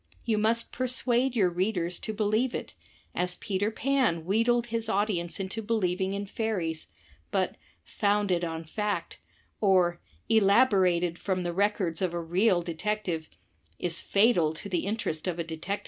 You must persuade your readers to believe it, as Peter Pan wheedled his audience into believing in fairies; but "Founded on Fact" or "Elaborated from the Records of a Real Detect ive," is fatal to the interest of a Detective Story.